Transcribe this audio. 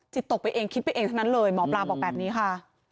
ตกไปเองคิดไปเองทั้งนั้นเลยหมอปลาบอกแบบนี้ค่ะ